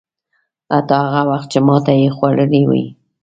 حتی هغه وخت چې ماته یې خوړلې وي.